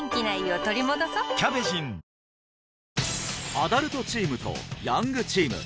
アダルトチームとヤングチーム